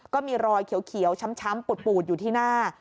ก็มีรอยเขียวช้ำปูดอยู่ที่หน้า